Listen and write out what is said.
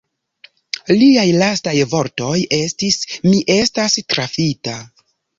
Liaj lastaj vortoj estis: «Mi estas trafita.